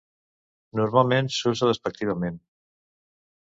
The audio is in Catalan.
Normalment s'usa despectivament.